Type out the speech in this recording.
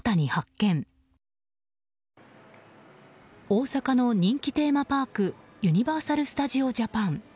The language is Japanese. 大阪の人気テーマパークユニバーサル・スタジオ・ジャパン。